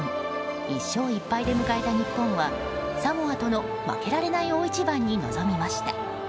１勝１敗で迎えた日本はサモアとの負けられない大一番に臨みました。